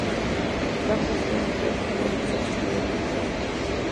Bajo este amplio epígrafe se desarrolló la Exposición.